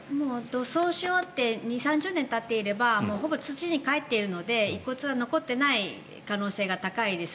土葬し終わって２０３０年たっていればほぼ土にかえっているので遺骨は残っていない可能性が高いです。